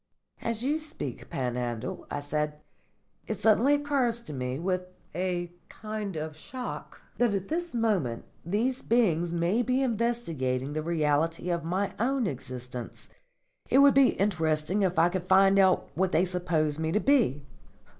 "As you speak, Panhandle," I said, "it suddenly occurs to me, with a kind of shock, that at this moment these beings may be investigating the reality of my own existence. It would be interesting if I could find out what they suppose me to be."